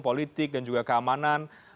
politik dan juga keamanan